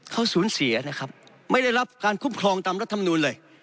เขาสูญเสียนะครับไม่ได้รับการคุ้มครองตามรัฐมนูลเลย